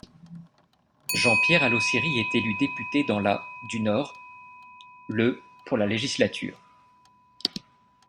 Jean-Pierre Allossery est élu député dans la du Nord le pour la législature.